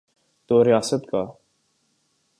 تو ریاست کا۔